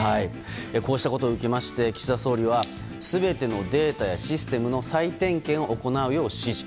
こうしたことを受けまして岸田総理は全てのデータやシステムの再点検を行うよう指示。